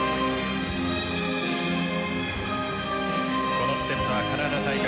このステップはカナダ大会